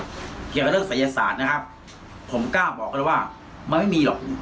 เกี่ยวกับเรื่องศัยศาสตร์นะครับผมกล้าบอกเลยว่ามันไม่มีหรอก